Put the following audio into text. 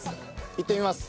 いってみます。